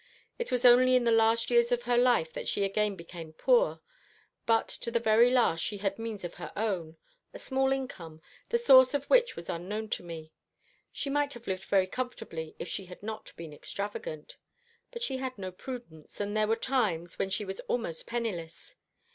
It was only in the last years of her life that she again became poor. But to the very last she had means of her own a small income, the source of which was unknown to me. She might have lived very comfortably if she had not been extravagant; but she had no prudence, and there were times when she was almost penniless.